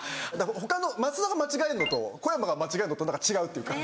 他の増田が間違えんのと小山が間違えんのと何か違うっていうか。